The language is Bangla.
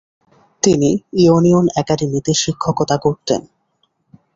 তিনি ইউনিয়ন অ্যাকাডেমিতে শিক্ষকতা করতেন ।